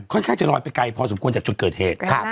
ข้างจะลอยไปไกลพอสมควรจากจุดเกิดเหตุ